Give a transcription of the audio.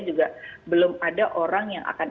juga belum ada orang yang akan